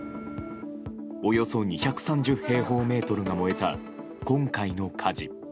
およそ２３０平方メートルが燃えた今回の火事。